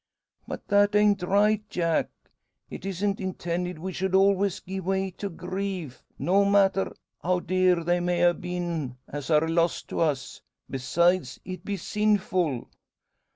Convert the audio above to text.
"But that an't right, Jack. It isn't intended we should always gie way to grief, no matter how dear they may a' been as are lost to us. Besides, it be sinful."